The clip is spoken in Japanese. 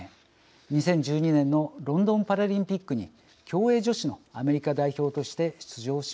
２０１２年のロンドンパラリンピックに競泳女子のアメリカ代表として出場しました。